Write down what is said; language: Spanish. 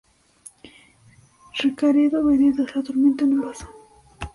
Recaredo Veredas- La tormenta en un vaso.